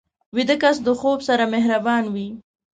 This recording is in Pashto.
ویده کس د خوب سره مهربان وي